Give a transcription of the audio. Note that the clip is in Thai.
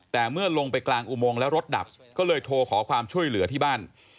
แต่เมื่อลงไปกลางอุโมงแล้วรถดับก็เลยโทรขอความช่วยเหลือที่บ้าน